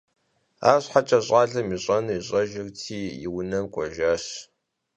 Arşheç'e ş'alem yiş'enur yiş'ejjırti, yi vunem k'uejjaş.